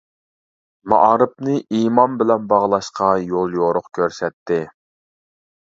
مائارىپنى ئىمان بىلەن باغلاشقا يوليورۇق كۆرسەتتى.